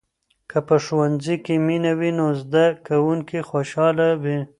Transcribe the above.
که په ښوونځي کې مینه وي، نو زده کوونکي خوشحال وي.